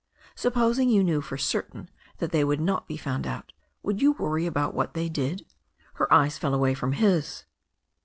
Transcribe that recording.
"Supposing you knew for certain they would not be found out, would you worry about what they did?" Her eyes fell away from his.